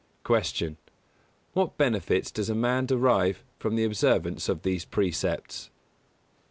156. Q. _What benefits does a man derive from the observance of these Precepts?